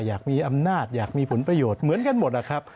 อยากมีอำนาจอยากมีผลประโยชน์เหมือนกันหมดนะครับ